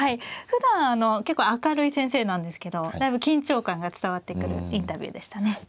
ふだんあの結構明るい先生なんですけどだいぶ緊張感が伝わってくるインタビューでしたね。